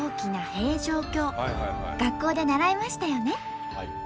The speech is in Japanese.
学校で習いましたよね。